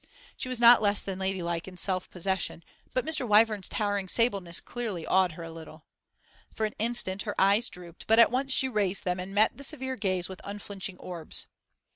She was not less than ladylike in self possession, but Mr. Wyvern's towering sableness clearly awed her a little. For an instant her eyes drooped, but at once she raised them and met the severe gaze with unflinching orbs.